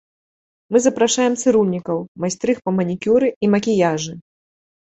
Мы запрашаем цырульнікаў, майстрых па манікюры і макіяжы.